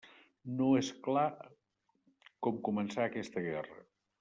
No és clar com començà aquesta guerra.